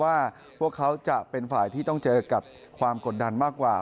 ว่าพวกเขาจะเป็นฝ่ายที่ต้องเจอกับความกดดันมากกว่า